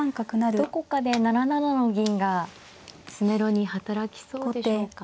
どこかで７七の銀が詰めろに働きそうでしょうか。